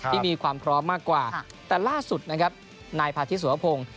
มีความพร้อมมากกว่าแต่ล่าสุดนะครับนายพาธิสุวพงศ์